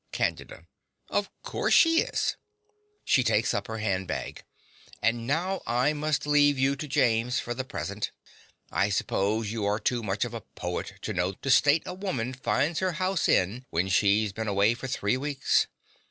CANDIDA. Of course she is. (She takes up her handbag.) And now I must leave you to James for the present. I suppose you are too much of a poet to know the state a woman finds her house in when she's been away for three weeks.